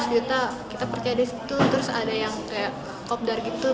dua ratus seratus juta kita percaya di situ terus ada yang kayak kopdar gitu